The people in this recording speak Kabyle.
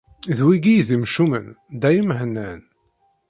D wigi i d imcumen: dayem hennan.